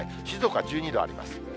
静岡は１２度あります。